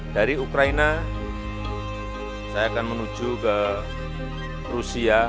dari ukraina saya akan menuju ke rusia